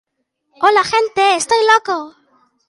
Els membres del Senat són elegits per un mandat de quatre anys.